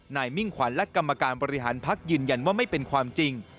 มิ่งขวัญและกรรมการบริหารพักยืนยันว่าไม่เป็นความจริง